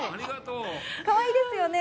かわいいですよね。